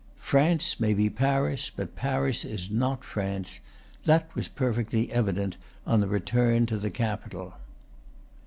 France may be Paris, but Paris is not France; that was perfectly evident on the return to the capital.